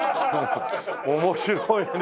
面白いね。